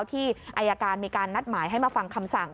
ที่อายการมีการนัดหมายให้มาฟังคำสั่ง